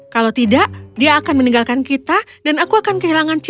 kalau tidak dia akan meninggalkan kita dan aku akan kehilangan cinta